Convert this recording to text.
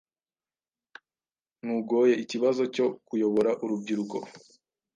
Ntugoye ikibazocyo_kuyobora urubyiruko